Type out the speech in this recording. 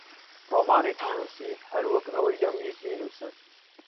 ڕۆمانێکم نووسی هەر وەک ئەوەی دەمویست بینووسم.